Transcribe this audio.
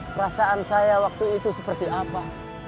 perasaan saya waktu itu seperti apa